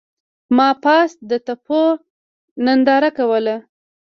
ما پاس د تپو ننداره کوله.